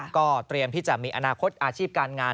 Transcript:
ก็เตรียมที่จะมีอนาคตอาชีพการงาน